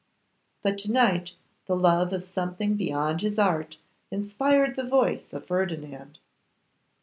But to night the love of something beyond his art inspired the voice of Ferdinand.